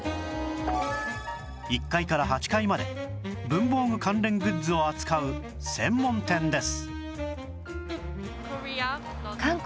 １階から８階まで文房具関連グッズを扱う専門店です